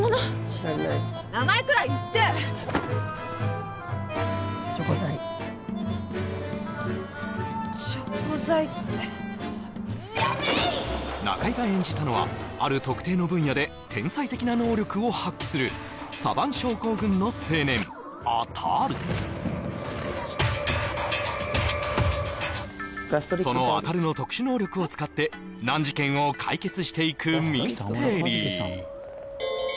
知らない名前くらい言ってチョコザイチョコザイってやめいっ中居が演じたのはある特定の分野で天才的な能力を発揮するサヴァン症候群の青年アタルそのアタルの特殊能力を使って難事件を解決していくミステリー